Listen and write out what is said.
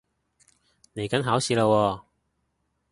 嚟緊考試喇喎